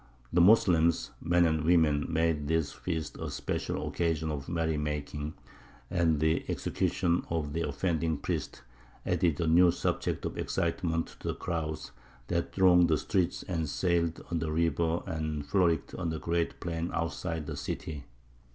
The Moslems, men and women, made this feast a special occasion of merry making, and the execution of the offending priest added a new subject of excitement to the crowds that thronged the streets and sailed on the river and frolicked on the great plain outside the city.